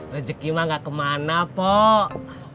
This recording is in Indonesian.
rezeki mah gak kemana pak